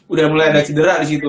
udah mulai ada cedera di situ